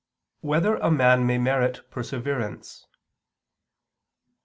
9] Whether a Man May Merit Perseverance?